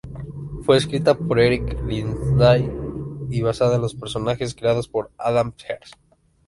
Fue escrita por Erik Lindsay y basada en los personajes creados por Adam Herz.